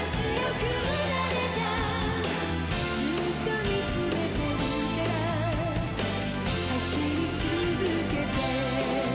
「ずっと見つめてるから走り続けて」